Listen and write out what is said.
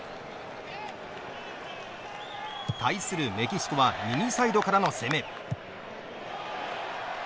対するメキシコは右サイドからの攻め。